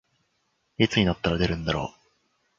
いつになったら出るんだろう